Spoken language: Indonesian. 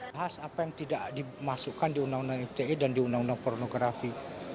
bahas apa yang tidak dimasukkan di undang undang ite dan di undang undang pornografi